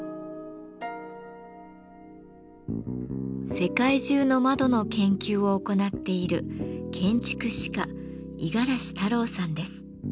世界中の窓の研究を行っている建築史家五十嵐太郎さんです。